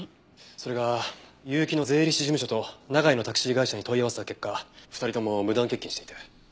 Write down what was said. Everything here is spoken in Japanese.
それが結城の税理士事務所と永井のタクシー会社に問い合わせた結果２人とも無断欠勤していて。